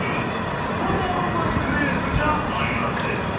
ただのバイクレースじゃありません。